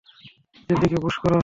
নিচের দিকে পুশ কর।